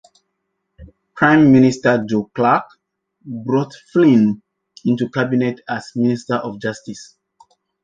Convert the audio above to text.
Prime Minister Joe Clark brought Flynn into Cabinet as Minister of Justice.